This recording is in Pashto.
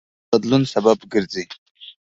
زړورتیا د بدلون سبب ګرځي.